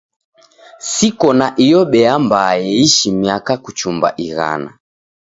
Siko na iyo bea mbaa eishi miaka kuchumba ighana.